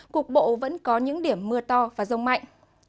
cục bộ vẫn có những điểm mưa to và rông mạnh